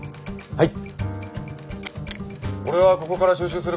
はい。